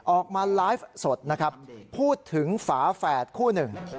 ออกมาไลฟ์สดนะครับพูดถึงฝาแฝดคู่หนึ่ง